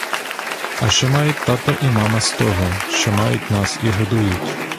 А що мають тато і мама з того, що мають нас і годують?